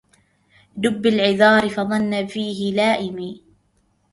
دب العذار فظن فيه لائمي